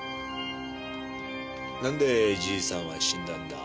なんでじいさんは死んだんだ？